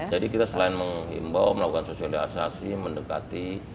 jadi kita selain mengimbau melakukan sosialisasi mendekati